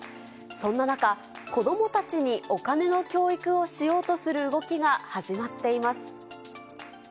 そんな中、子どもたちにお金の教育をしようとする動きが始まっています。